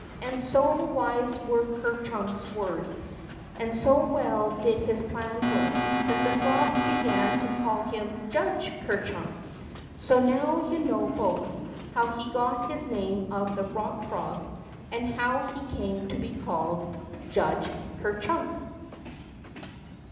'^ And so wise were Iver Chnnk's words, and so well did his plan work, that the frogs began to call him Judge Ker Chnnk. So now yon know both how he got his name of the Rock Frog,'' and how he came to be called Judge Ker Chimk."